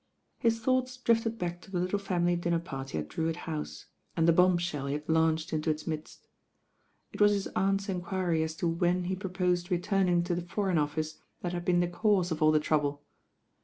His thoughts drifted back to the little famUy^ dinner party at Drewitt House, and the bomb sheU he had launched into its midst. It was his aunt's enquiry as to when he proposed returning to the Foreign Office that had been the cause of all the trouble.